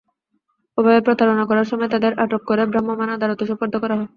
এভাবে প্রতারণা করার সময় তাঁদের আটক করে ভ্রাম্যমাণ আদালতে সোপর্দ করা হয়।